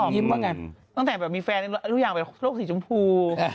ตั้งแต่มีแฟนทุกอย่างโลกสีชมพู